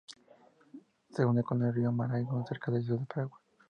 Se une con el río Marañón cerca de la ciudad de Bagua.